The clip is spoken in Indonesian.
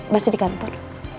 masih di kantor